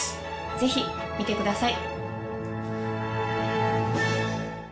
ぜひ見てください。